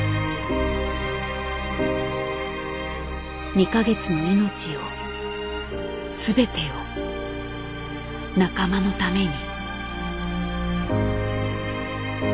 ２か月の命を全てを仲間のために。